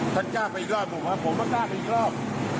ท่านกล้าไปอีกรอบผมมากล้าไปอีกรอบ